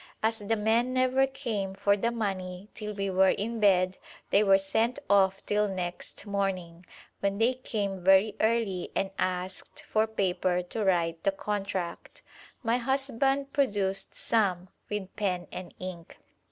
As the men never came for the money till we were in bed, they were sent off till next morning, when they came very early and asked for paper to write the contract. My husband produced some, with pen and ink.